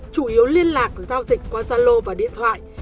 chủ yếu liên lạc giao dịch qua gia lô và điện thoại